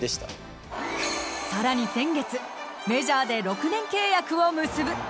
更に先月メジャーで６年契約を結ぶ。